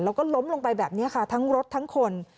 แล้วก็ล้มลงไปแบบนี้ค่ะทั้งรถทั้งคน